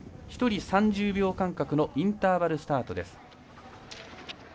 １人３０秒間隔のインターバルスタートです。